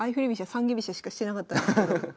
三間飛車しかしてなかったんですけど。